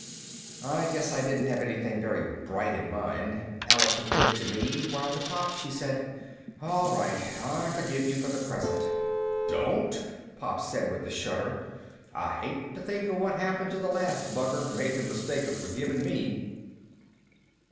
"I guess I didn't have anything very bright in mind," Alice admitted to me, while to Pop she said, "All right, I forgive you for the present." "Don't!" Pop said with a shudder. "I hate to think of what happened to the last bugger made the mistake of forgiving me."